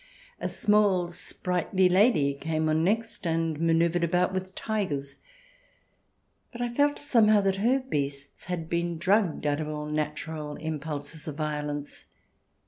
A small, sprightly lady came on next and manoeuvred about with tigers, but I felt somehow that her beasts had been drugged out of all natural impulses of violence.